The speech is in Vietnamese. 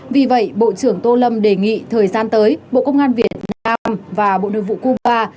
vì vậy bộ trưởng tô lâm đề nghị thời gian tới bộ công an việt nam và bộ nội vụ cuba